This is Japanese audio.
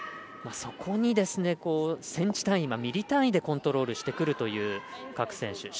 そこに、センチ単位、ミリ単にコントロールしてくるという各選手。